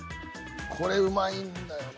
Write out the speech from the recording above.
これうまいんだよな。